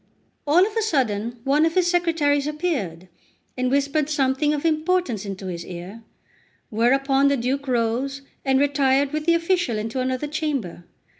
All of a sudden, one of his secretaries appeared, and whispered something of importance in his ear; whereupon the Duke rose, and retired with the official into another chamber.